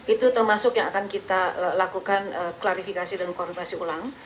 itu termasuk yang akan kita lakukan klarifikasi dan koordinasi ulang